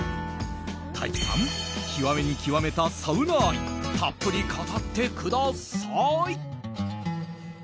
大樹さん、極めに極めたサウナ愛たっぷり語ってください。